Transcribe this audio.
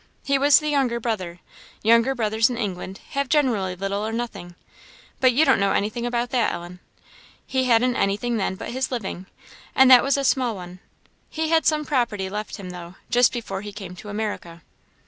He was the younger brother younger brothers in England have generally little or nothing; but you don't know anything about that, Ellen. He hadn't anything then but his living, and that was a small one; he had some property left him, though, just before he came to America."